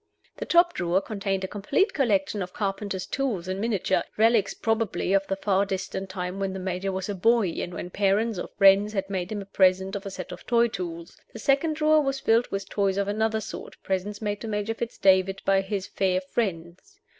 The top drawer contained a complete collection of carpenter's tools in miniature, relics probably of the far distant time when the Major was a boy, and when parents or friends had made him a present of a set of toy tools. The second drawer was filled with toys of another sort presents made to Major Fitz David by his fair friends.